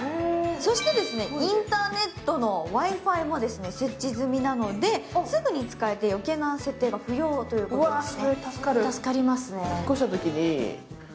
そしてインターネットのＷｉ−Ｆｉも設置済みなのですぐに使えて、余計な設定が不要ということですね。